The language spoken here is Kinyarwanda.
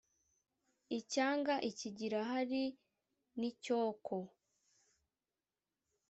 icyanga ikigira hari n’icyoko